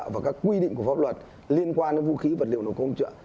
và các quy định của pháp luật liên quan đến vũ khí vật liệu nổ công cụ hỗ trợ